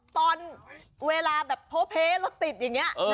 ตอนเวลาแบบโพเพรถติดอย่างนี้